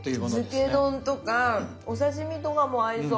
漬け丼とかお刺身とかも合いそう。